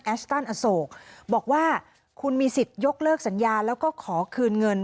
ตันอโศกบอกว่าคุณมีสิทธิ์ยกเลิกสัญญาแล้วก็ขอคืนเงิน